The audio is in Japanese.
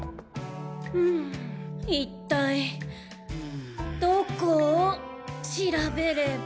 うん一体どこを調べれば。